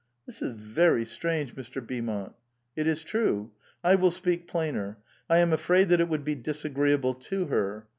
This is ver} strange, Mr. Beaumont." ^^ It is true. I will speak plainer; I am afraid that it would be disagreeable to her.